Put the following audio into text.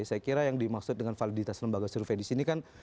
saya kira yang dimaksud dengan validitas lembaga survei di sini kan